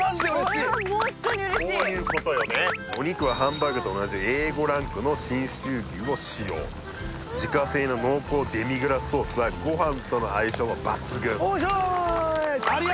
こういうことよねお肉はハンバーグと同じＡ５ランクの信州牛を使用自家製の濃厚デミグラスソースはご飯との相性が抜群おいしょ！